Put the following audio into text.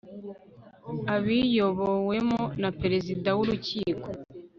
Abiyobowemo na Perezida w Urukiko